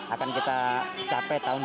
akan kita capai tahun dua ribu dua puluh